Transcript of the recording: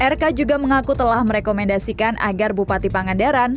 rk juga mengaku telah merekomendasikan agar bupati pangandaran